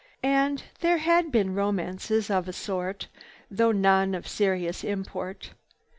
And there had been romances of a sort, though none of serious import.